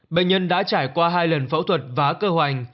bệnh nhân đã trải qua hai lần phẫu thuật vá cơ hoành